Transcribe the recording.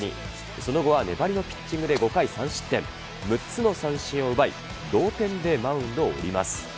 その後は粘りのピッチングで５回３失点、６つの三振を奪い、同点でマウンドを降ります。